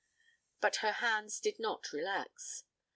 But her hands did not relax.